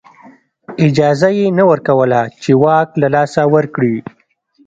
اجازه یې نه ورکوله چې واک له لاسه ورکړي